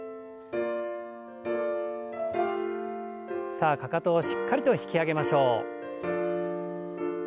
さあかかとをしっかりと引き上げましょう。